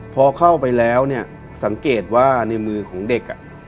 พอเข้าไปแล้วเนี่ยสังเกตว่าในมือของเด็ก